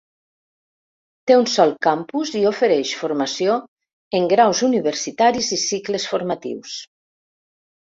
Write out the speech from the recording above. Té un sol campus i ofereix formació en graus universitaris i cicles formatius.